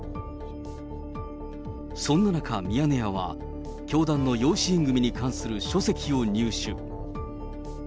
そんな中、ミヤネ屋は教団の養子縁組に関する書籍を入手。